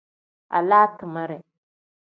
Alaa timere.